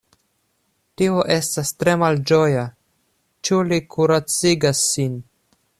Tio estas tre malĝoja; ĉu li kuracigas sin?